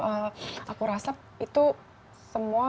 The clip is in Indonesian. aku rasa itu semua